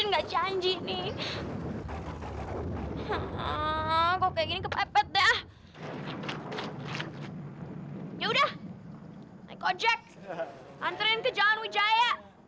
antarin ke jalan wijaya